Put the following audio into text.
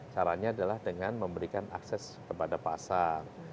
caranya adalah dengan memberikan akses kepada pasar